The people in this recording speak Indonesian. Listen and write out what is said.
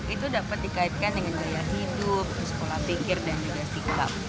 itu dapat dikaitkan dengan gaya hidup pola pikir dan juga sikap